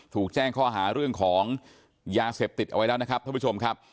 ถูกแจ้งข้อหาเรื่องของยาเสพติดเอาไว้แล้วนะครับท่านผู้ชมครับ